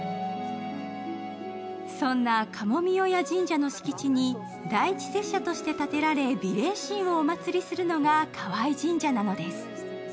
そんな賀茂御祖神社の敷地に第一摂社として建てられ、美麗神をお祀りするのが河合神社なのです。